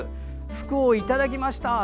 福をいただきました。